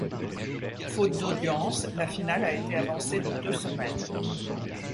Faute d'audience, la finale a été avancée de deux semaines.